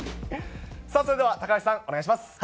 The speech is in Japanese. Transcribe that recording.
さあそれでは高橋さん、お願いします。